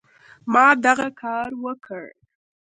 ما دغه کار وکړ.